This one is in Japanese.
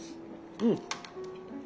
うん。